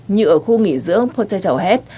như ở khu nghỉ dưỡng potato head